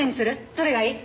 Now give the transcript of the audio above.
どれがいい？